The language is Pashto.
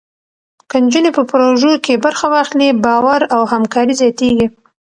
که نجونې په پروژو کې برخه واخلي، باور او همکاري زیاتېږي.